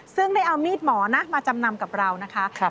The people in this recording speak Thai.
ซึ่งได้เอามีดหมอนะมาจำนำกับเรานะคะ